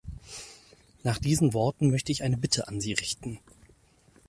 Nach diesen Worten möchte ich eine Bitte an Sie richten.